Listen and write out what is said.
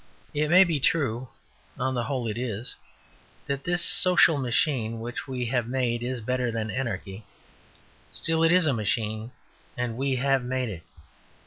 It may be true (on the whole it is) that this social machine we have made is better than anarchy. Still, it is a machine; and we have made it.